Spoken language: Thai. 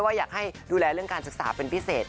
ว่าอยากให้ดูแลเรื่องการศึกษาเป็นพิเศษ